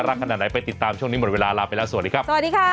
นรรักขนาดไหนไปติดตามช่วงนี้หมดเวลาลาไปแล้วสวัสดีครับ